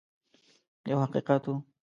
یو حقیقت وو.